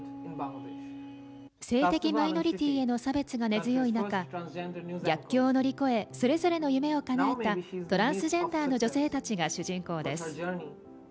性的マイノリティーへの差別が根強い中、逆境を乗り越えそれぞれの夢をかなえたトランスジェンダーの女性たちが主人公です。